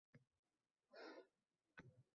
Uni oqlash boboni qoralashga o‘tardi